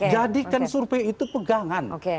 jadikan survei itu pegangan